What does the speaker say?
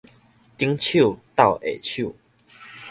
頂手鬥下手